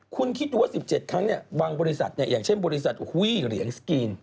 คุณคิดดูว่า๑๗ครั้งบางบริษัทอย่างเช่นบริษัทหุ้ยเหรียญสกรีน